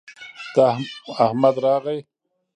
د احمد راغى